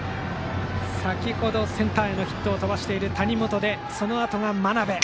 先程、センターへのヒットを飛ばしている谷本のあとそのあとが真鍋。